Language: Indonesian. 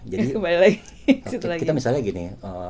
jadi kita misalnya gini